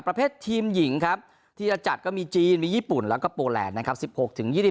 ประเภททีมหญิงที่จะจัดก็มีจีนมีญี่ปุ่นแล้วก็โปแลต